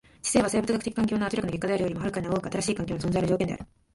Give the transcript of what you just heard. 知性は生物学的環境の圧力の結果であるよりも遥かに多く新しい環境の存在の条件である。